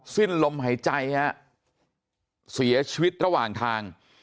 สิ้นลมหายใจฮะเสียชีวิตระหว่างทาง